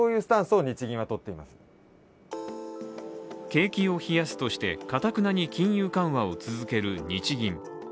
景気を冷やすとして、かたくなに金融緩和を続ける日銀。